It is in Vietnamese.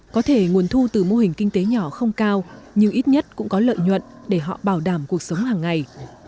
có thể nguồn thu từ mô hình kinh tế nhỏ không cao nhưng ít nhất cũng có lợi nhuận để họ bảo đảm cuộc sống hàng ngày